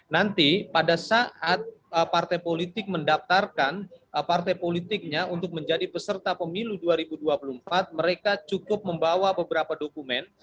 nanti pada saat partai politik mendaftarkan partai politiknya untuk menjadi peserta pemilu dua ribu dua puluh empat mereka cukup membawa beberapa dokumen